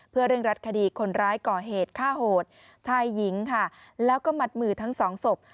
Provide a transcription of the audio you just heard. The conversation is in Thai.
เพื่อเร่งรัดคดีคนร้ายก่อเหตุฆ่าโหดชายหญิงค่ะแล้วก็มัดมือทั้งสองศพ